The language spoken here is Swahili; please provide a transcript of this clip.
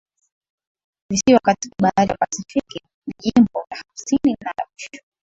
visiwani katika bahari ya Pasifiki Ni jimbo la hamsini na la mwisho